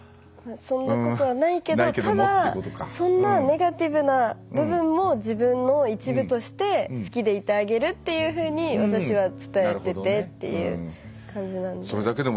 そんなことはないけどただそんなネガティブな部分も自分の一部として好きでいてあげるっていうふうに私は伝えててっていう感じなので。